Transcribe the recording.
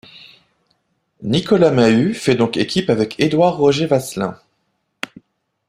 Nicolas Mahut fait donc équipe avec Édouard Roger-Vasselin.